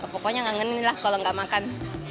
pokoknya menganggap ini lah kalau nggak makan